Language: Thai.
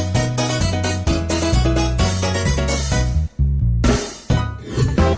ค่าบริการค่าเตอครัว